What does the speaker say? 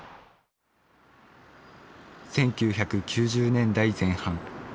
１９９０年代前半。